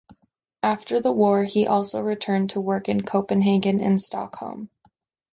After the war, he also returned to work in Copenhagen and Stockholm.